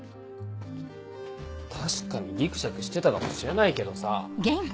確かにぎくしゃくしてたかもしれないけどさ